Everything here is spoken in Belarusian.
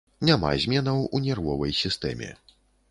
Няма зменаў у нервовай сістэме.